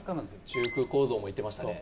「中空構造」も言ってましたね。